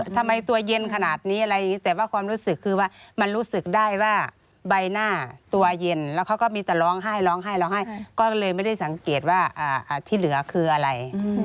ทำไมตัวเย็นขนาดนี้อะไรอย่างนี้แต่ว่าความรู้สึกคือว่ามันรู้สึกได้ว่าใบหน้าตัวเย็นแล้วเขาก็มีแต่ร้องไห้ร้องไห้ก็เลยไม่ได้สังเกตว่าที่เหลือคืออะไร